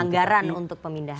anggaran untuk pemindahan